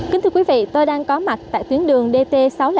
kính thưa quý vị tôi đang có mặt tại tuyến đường dt sáu trăm linh sáu